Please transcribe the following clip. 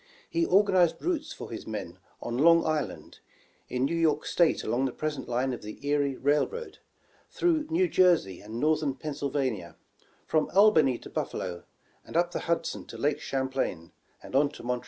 He organized routes for his men on Long Island; in New York State along the present line of the Erie Railroad; through New Jersey and Northern Pennsylvania; from Albany to Buffalo; and up the Hudson to Lake Champlain, and on to Montreal.